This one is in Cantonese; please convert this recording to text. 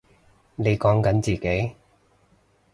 你講緊自己？